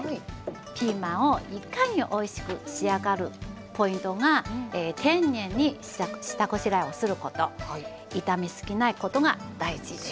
ピーマンをいかにおいしく仕上がるポイントが丁寧に下ごしらえをすること炒め過ぎないことが大事です。